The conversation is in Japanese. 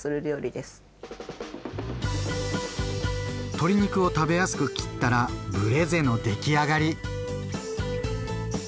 鶏肉を食べやすく切ったら「ブレゼ」の出来上がり。